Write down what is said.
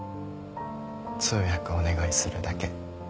通訳お願いするだけ。